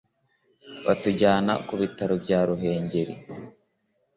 batujyana ku bitaro bya Ruhengeli